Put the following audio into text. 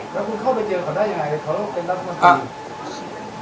แล้วคุณเข้าไปเจอเขาได้ยังไงเขาเป็นรัฐมนตรี